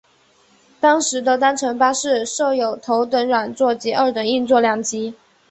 当时的单层巴士设有头等软座及二等硬座两级。